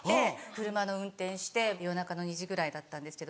車の運転して夜中の２時ぐらいだったんですけど。